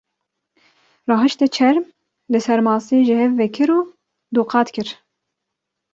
Rahişte çerm, li ser masê ji hev vekir û du qat kir.